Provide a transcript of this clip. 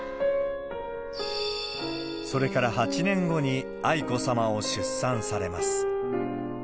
それから８年後に愛子さまを出産されます。